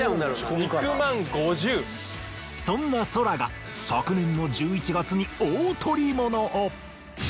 そんなソラが昨年の１１月に大捕り物を。